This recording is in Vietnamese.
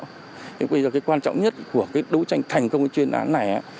thế bây giờ cái quan trọng nhất của cái đấu tranh thành công cái chuyên án này